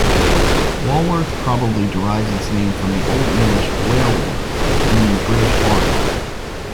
Walworth probably derives its name from the Old English "Wealhworth" meaning British farm.